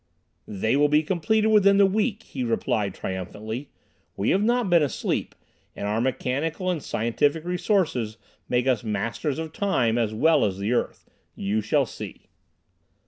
"They will be completed within the week," he replied triumphantly. "We have not been asleep, and our mechanical and scientific resources make us masters of time as well as the earth. You shall see."